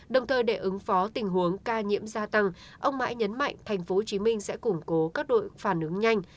đồng thời để ứng phó tình huống ca nhiễm gia tăng ông mãi nhấn mạnh tp hcm sẽ củng cố các đội phản ứng nhanh